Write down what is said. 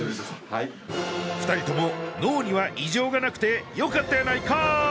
はい２人とも脳には異常がなくてよかったやないかー